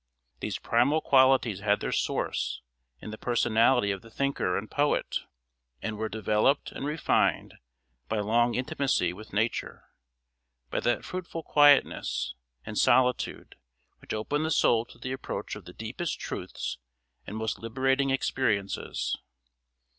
These primal qualities had their source in the personality of the thinker and poet, and were developed and refined by long intimacy with nature, by that fruitful quietness and solitude which open the soul to the approach of the deepest truths and most liberating experiences.